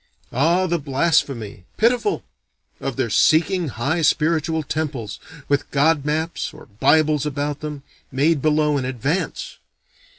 Ah, the blasphemy (pitiful!) of their seeking high spiritual temples, with god maps or bibles about them, made below in advance!